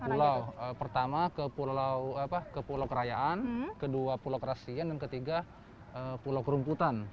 sepuluh pulau pertama ke pulau kerayaan kedua pulau kerasiya dan ketiga pulau kerumputan